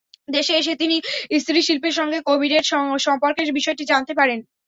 দেশে এসে তিনি স্ত্রী শিল্পীর সঙ্গে কবিরের সম্পর্কের বিষয়টি জানতে পারেন।